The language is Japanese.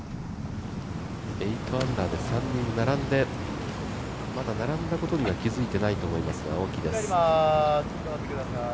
８アンダーで３人並んで、まだ並んだことには気づいてないと思いますが青木です。